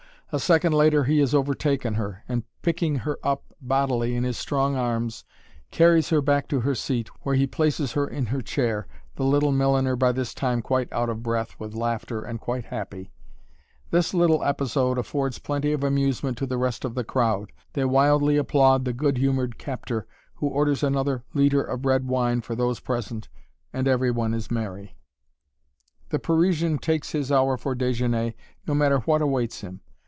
A second later he has overtaken her, and picking her up bodily in his strong arms carries her back to her seat, where he places her in her chair, the little milliner by this time quite out of breath with laughter and quite happy. This little episode affords plenty of amusement to the rest of the crowd; they wildly applaud the good humored captor, who orders another litre of red wine for those present, and every one is merry. [Illustration: (city house)] The Parisian takes his hour for déjeuner, no matter what awaits him.